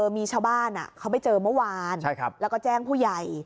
มีชาวบ้านเขาไปเจอเมื่อวานแล้วก็แจ้งผู้ใหญ่